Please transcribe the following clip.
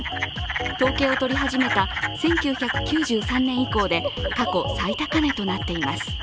統計を取り始めた１９９３年以降で過去最高値となっています。